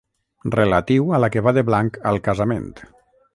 Relatiu a la que va de blanc al casament.